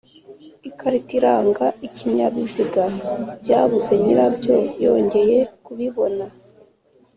ikarita iranga ikinyabiziga byabuze nyirabyo yongeye kubibona.